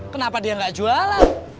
kenapa dia enggak jualan